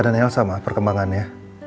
nenek mau yang mana